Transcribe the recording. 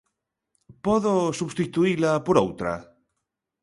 ¿Podo substituíla por outra?